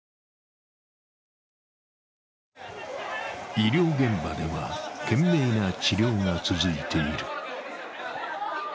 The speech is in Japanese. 医療現場では懸命な治療が続いている。